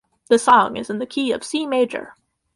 The song is in the key of C major.